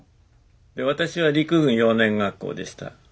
私は陸軍幼年学校でした。